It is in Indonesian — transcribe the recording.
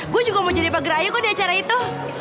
gue juga mau jadi pagar ayu kok di acara itu